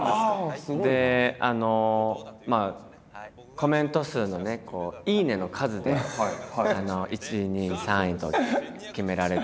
コメント数のね「いいね」の数で１位２位３位と決められて。